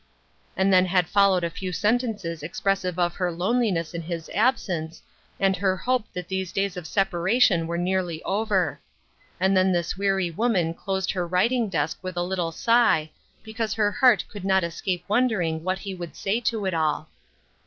And then had followed a few sentences expressive of her loneliness in his ab sence, and her hope that these days of separation were nearly over. And then this weary woman closed her writing desk with a little sigh, because her heart could not escape wondering what he would say to it all.